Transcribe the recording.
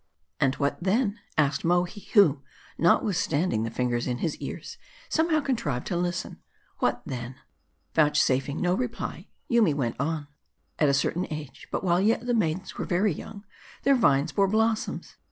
" And what then ?" asked Mohi, who, notwithstanding the fingers in his ears, somehow contrived to listen ; "What then ?" Vouchsafing no reply, Yoomy went on, " At a certain age, but while yet the maidens were very young, their vines bore blossoms.